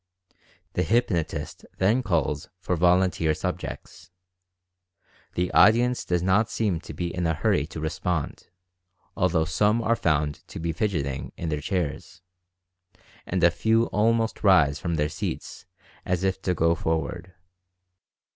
The hypnotist then calls for volunteer subjects. The audience does not seem to be in a hurry to respond, although some are found to be fidgeting in their chairs, and a few almost rise from their seats as if to go forward.